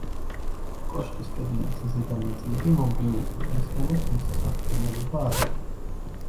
კოშკის კედლების ზედა ნაწილები მონგრეულია, რის გამოც მისი სართულიანობა არ ირკვევა.